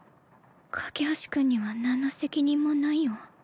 架橋君には何の責任もないよ